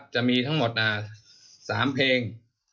จะมีทั้งหมด๓เพลง